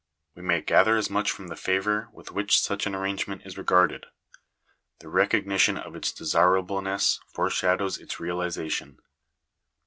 We may gather as much from the favour with which such an arrangement is regarded. The recognition of its desirableness foreshadows its realization.